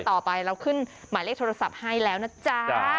ต่อไปเราขึ้นหมายเลขโทรศัพท์ให้แล้วนะจ๊ะ